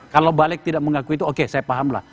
kalau balik tidak mengakui itu oke saya pahamlah